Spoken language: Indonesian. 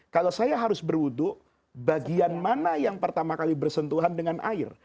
kalau saya harus berwudhu bagian mana yang pertama kali bersentuhan dengan air